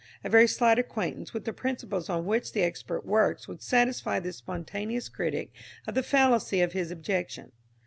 A very slight acquaintance with the principles on which the expert works would satisfy this spontaneous critic of the fallacy of his objection.